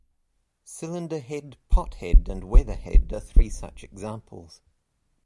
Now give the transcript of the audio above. Cylinder head, pothead, and weatherhead are three such examples.